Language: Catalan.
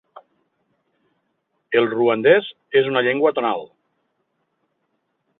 El ruandès és una llengua tonal.